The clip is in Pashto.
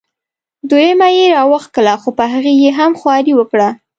دویمه یې را وښکله خو په هغې یې هم خواري وکړه.